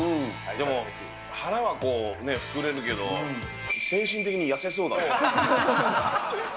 腹は膨れるけど、精神的に痩せそうなんだよな。